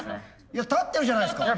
いや立ってるじゃないですか！